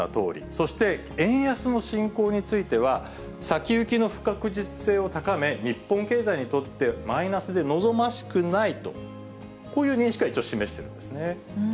そして円安の進行については、先行きの不確実性を高め、日本経済にとってマイナスで望ましくないと、こういう認識は一応示してるんですね。